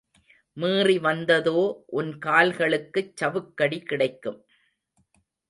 மீறி வந்ததோ, உன் கால்களுக்குச் சவுக்கடி கிடைக்கும்.